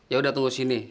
yaudah tunggu sini